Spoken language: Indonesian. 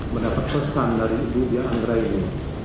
mendapat pesan dari ibu dia anggra ini